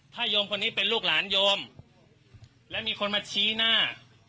ถ้าโยมคนนี้เป็นลูกหลานโยมและมีคนมาชี้หน้า